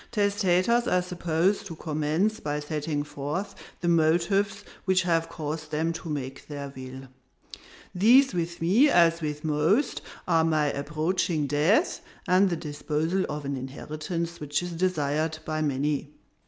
"Testators are supposed to commence by setting forth the motives which have caused them to make their will. These with me, as with most, are my approaching death, and the disposal of an inheritance which is desired by many.